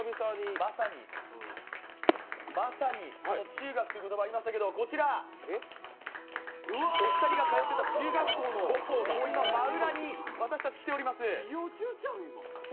まさに、まさに中学という言葉がありましたけどお二人が通ってた中学校の今、真裏に私たち来ております。